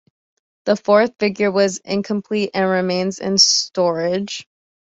The fourth figure was incomplete and remains in storage.